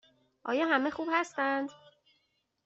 آیا همه خوب هستند؟